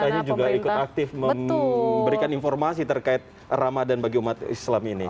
katanya juga ikut aktif memberikan informasi terkait ramadan bagi umat islam ini